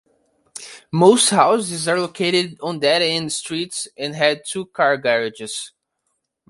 Most houses are located on dead-end streets and had two car garages.